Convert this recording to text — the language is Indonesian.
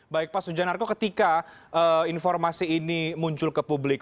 baik pak sujanarko ketika informasi ini muncul ke publik